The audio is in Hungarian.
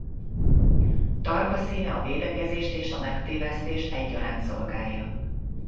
Tarka színe a védekezést és a megtévesztést egyaránt szolgálja.